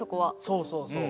そうそうそう。